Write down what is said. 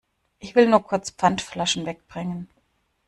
Ich will nur kurz Pfandflaschen weg bringen.